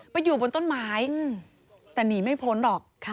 ไปอยู่บนต้นไม้แต่หนีไม่พ้นหรอก